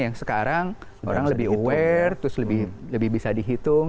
yang sekarang orang lebih aware terus lebih bisa dihitung